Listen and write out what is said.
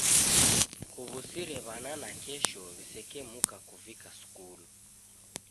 Kuw'usire w'ana nakesho w'isekemuka kuvika skulu